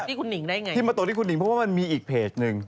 แต่ทีนี้ที่มาตกที่คุณหนิงเพราะว่ามันมีอีกเพจหนึ่ง